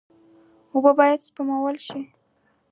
اوبه باید سپمول شي.